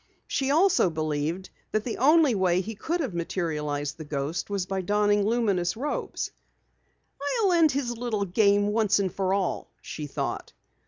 She also believed that the only way he could have materialized the ghost was by donning luminous robes. "I'll end his little game once and for all," she thought.